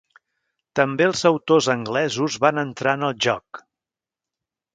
També els autors anglesos van entrar en el joc.